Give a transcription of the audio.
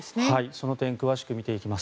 その点詳しく見ていきます。